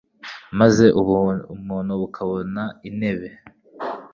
Maze ubumuntu bukabona intebe